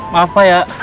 maaf pak ya